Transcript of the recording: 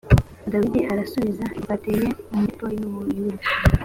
dawidi arasubiza h ati twateye mu majyepfo y u buyuda